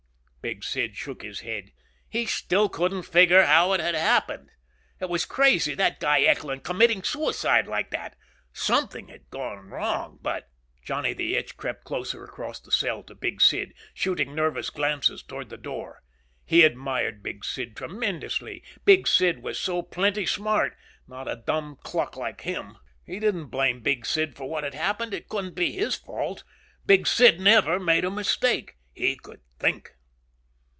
Big Sid shook his head. He still couldn't figure how it had happened. It was crazy, that guy, Eckland, committing suicide like that. Something had gone wrong but Johnny the Itch crept closer across the cell to Big Sid, shooting nervous glances toward the door. He admired Big Sid tremendously. Big Sid was so plenty smart, not a dumb cluck like him. He didn't blame Big Sid for what had happened. It couldn't be his fault; Big Sid never made a mistake. He could think.